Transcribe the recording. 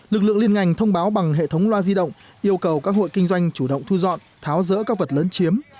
lực lượng liên ngành thông báo bằng hệ thống loa di động yêu cầu các hội kinh doanh chủ động thu dọn tháo dỡ các vật lớn chiếm